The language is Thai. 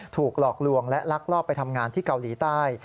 ถูกหลอกลวงและลักลอบไปทำงานที่เกาหลีใต้